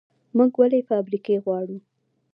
موږ ولې فابریکې غواړو؟